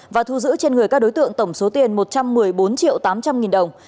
và thu giữ trên người các đối tượng tổng số tiền một trăm một mươi bốn triệu tám trăm linh nghìn đồng